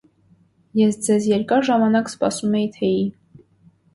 Ես ձեզ երկար ժամանակ սպասում էի թեյի: